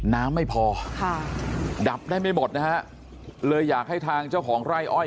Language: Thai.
น้ำไม่พอค่ะดับได้ไม่หมดนะฮะเลยอยากให้ทางเจ้าของไร่อ้อย